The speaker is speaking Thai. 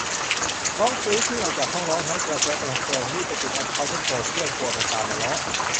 ร้องกรี๊ด วิ่งออกจากห้อง ร้องไห้กระเซอะกระเซิง รีบไปปิดแอคเคานท์ทุกโซเซียล กลัวมันตามมาล้อ